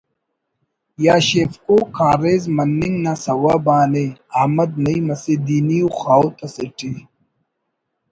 یا شیفکو کاریز مننگ نا سوب آن ءِ احمد نعیم اسہ دینی ءُ خاہوت اسیٹی